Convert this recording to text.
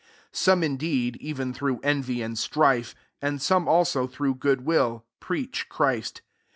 15 Some indeed, even through envy and strife, and some also through good will, preach Christ.